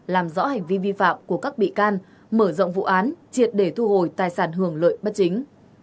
làm rõ hành vi vi phạm của các bị can mở rộng vụ án triệt để thu hồi tài sản hưởng lợi bất chính